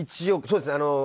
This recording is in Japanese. １億そうですね。